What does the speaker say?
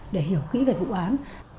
để hiểu kỹ về vụ án